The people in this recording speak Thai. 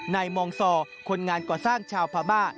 ในมองส่อคนงานก่อสร้างชาวพระบ้า